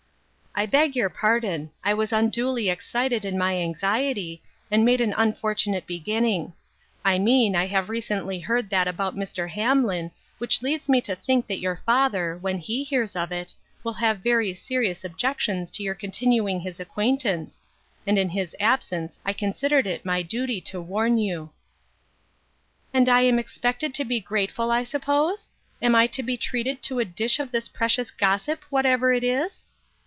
" I beg your pardon ; I was unduly excited in my anxiety, and made an unfortunate beginning ; I mean I have recently heard that about Mr. Ham lin which leads me to think that your father, when he hears of it, will have very serious objections to your continuing his acquaintance, and in his ab sence I considered it my duty to warn you." " And I am expected to be grateful, I suppose ? Am I to be treated to a dish of this precious gossip, whatever it is